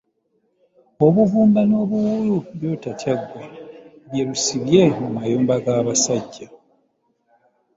Obugumba n’obuwuulu by’otatya ggwe, bye lusibye mu mayumba g’abasajja.